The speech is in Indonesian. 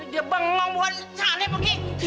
dia bangga bukan sana pegi